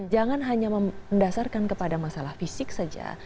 jangan hanya mendasarkan kepada masalah fisik saja